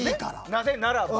なぜならば。